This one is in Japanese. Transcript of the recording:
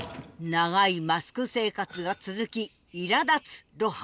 長いマスク生活が続きいらだつ露伴。